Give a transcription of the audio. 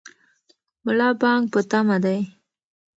ملا بانګ په تمه دی.